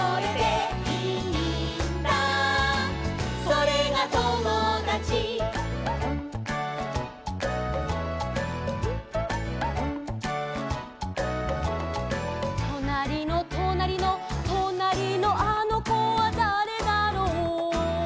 「それがともだち」「となりのとなりの」「となりのあのこはだれだろう」